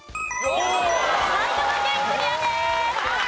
埼玉県クリアです！